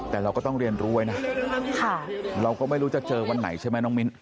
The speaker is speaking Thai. แต่เราก็ต้องเรียนรู้ไว้นะเราก็ไม่รู้จะเจอวันไหนใช่ไหมน้องมิ้น